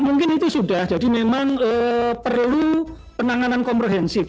mungkin itu sudah jadi memang perlu penanganan komprehensif